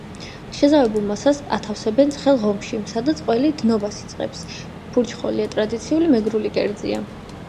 შეზავებულ მასას ათავსებენ ცხელ ღომში, სადაც ყველი დნობა იწყებს. ფუჩხოლია ტრადიციული მეგრული კერძია.